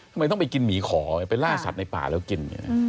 ทำไมต้องไปกินหมีขอไปล่าสัตว์ในป่าแล้วกิน